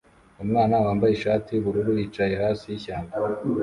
Umwana wambaye ishati yubururu yicaye hasi yishyamba